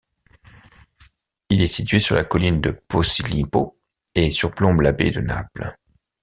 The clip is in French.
Il est situé sur la colline de Posillipo, et surplombe la baie de Naples.